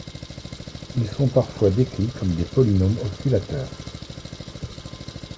Ils sont parfois décrits comme des polynômes osculateurs.